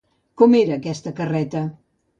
Com era aquesta carreta?